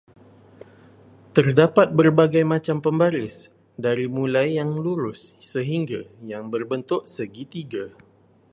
Terdapat berbagai macam pembaris, dari mulai yang lurus sehingga yang berbentuk segitiga.